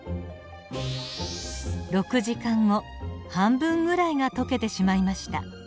半分ぐらいが溶けてしまいました。